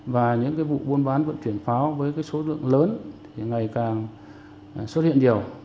và những vụ buôn bán vận chuyển pháo với số lượng lớn